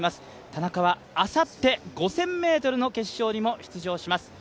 田中はあさって５０００ｍの決勝にも出場します。